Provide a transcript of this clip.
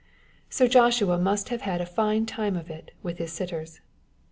Sir Joshua must have had a fine time of it with his sitters.